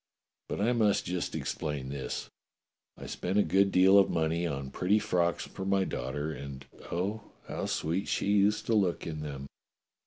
But I must just explain this : I spent a good deal of money upon pretty frocks for my daughter, and, oh! how sweet she used to look in them.